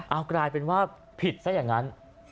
เอากลายเป็นว่าผิดซะอย่างนั้น